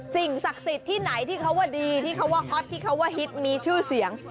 สิ่งศักดิ์สิทธิ์ที่ไหนที่เขาว่าดีที่เขาว่าฮอตที่เขาว่าฮิตมีชื่อเสียง